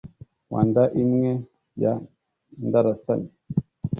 Wa Nda-imwe ya Ndarasanye,